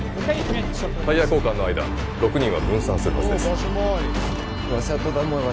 タイヤ交換の間６人は分散するはずです